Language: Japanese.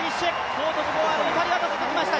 コートジボワール、イタリアと続きました。